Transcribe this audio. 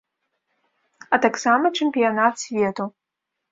А таксама чэмпіянат свету.